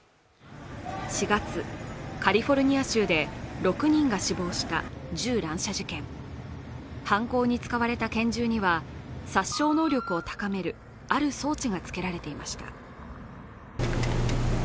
４月、カリフォルニア州で６人が死亡した銃乱射事件犯行に使われた拳銃には殺傷能力を高めるある装置が付けられていました